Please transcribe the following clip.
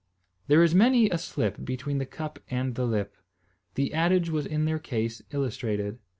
There is many a slip between the cup and the lip. The adage was in their case illustrated.